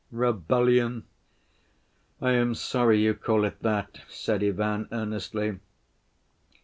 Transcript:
"Rebellion? I am sorry you call it that," said Ivan earnestly.